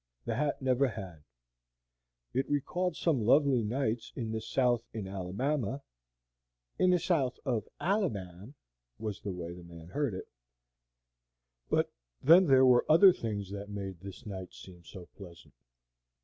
The hat never had; it recalled some lovely nights in the South in Alabama ("in the South in Ahlabahm" was the way the old man heard it), but then there were other things that made this night seem so pleasant.